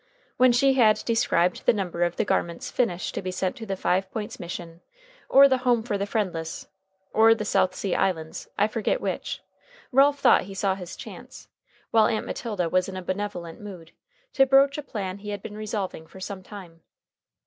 When she had described the number of the garments finished to be sent to the Five Points Mission, or the Home for the Friendless, or the South Sea Islands, I forget which, Ralph thought he saw his chance, while Aunt Matilda was in a benevolent mood, to broach a plan he had been revolving for some time.